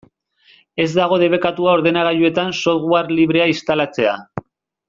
Ez dago debekatua ordenagailuetan software librea instalatzea.